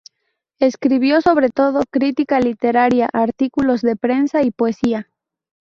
Escribió sobre todo crítica literaria, artículos de prensa y poesía.